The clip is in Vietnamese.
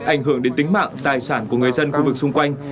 ảnh hưởng đến tính mạng tài sản của người dân khu vực xung quanh